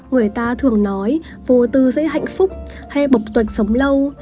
người ta thường nói vô tư sẽ hạnh phúc hay bộc tuệch sống lâu